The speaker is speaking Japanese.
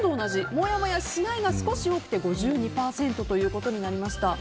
もやもやしないが少し多くて５２％ということになりました。